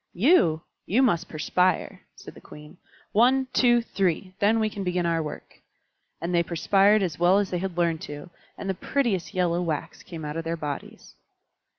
"You! you must perspire," said the Queen. "One, two, three! Then we can begin our work." And they perspired as well as they had learned to, and the prettiest yellow wax came out of their bodies.